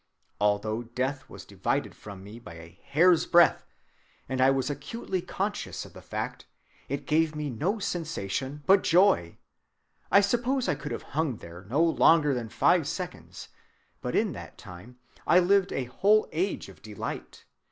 Although death was divided from me by a hair's breadth, and I was acutely conscious of the fact, it gave me no sensation but joy. I suppose I could have hung there no longer than five seconds, but in that time I lived a whole age of delight.